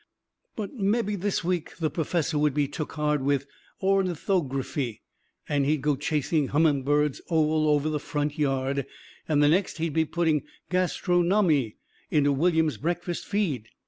But mebby this week the perfessor would be took hard with ornithography and he'd go chasing humming birds all over the front yard, and the next he'd be putting gastronomy into William's breakfast feed.